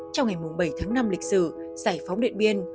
trong ngày bảy tháng năm lịch sử giải phóng điện biên